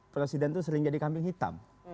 presiden itu sering jadi kambing hitam